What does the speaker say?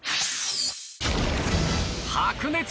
白熱！